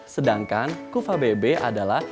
sedangkan kufa bb adalah